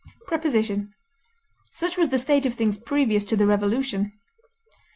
Preposition: Such was the state of things previous to the revolution.